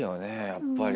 やっぱり。